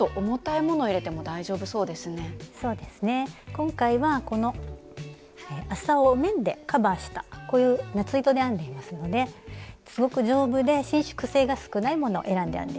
今回はこの麻を綿でカバーしたこういう夏糸で編んでいますのですごく丈夫で伸縮性が少ないものを選んで編んでいます。